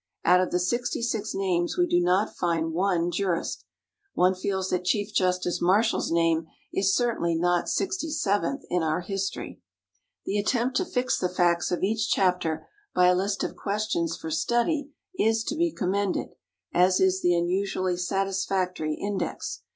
Out of the sixty six names we do not find one jurist; one feels that Chief Justice Marshall's name is certainly not sixty seventh in our history. The attempt to fix the facts of each chapter by a list of questions for study is to be commended, as is the unusually satisfactory index.